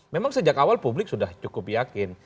memang sejak awal publik sudah cukup yakin